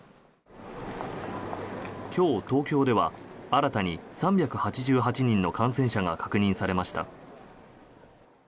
今日、東京では新たに３８８人の感染者が確認されました。